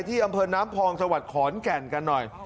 ที่อำเภอน้ำพองจังหวัดขอนแก่นกันหน่อย